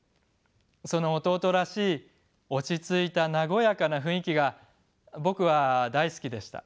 その弟らしい落ち着いた和やかな雰囲気が僕は大好きでした。